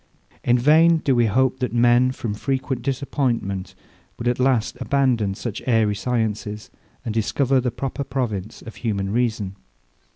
In vain do we hope, that men, from frequent disappointment, will at last abandon such airy sciences, and discover the proper province of human reason.